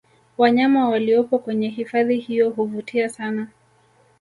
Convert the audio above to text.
Wanyama waliopo kwenye hifadhi hiyo huvutia sana